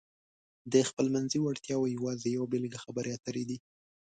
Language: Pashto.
د خپلمنځي وړتیاو یوازې یوه بېلګه خبرې اترې دي.